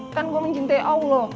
kan gue mencintai allah